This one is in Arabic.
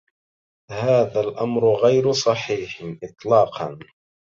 هذا الامر غير صحيح اطلاقاً.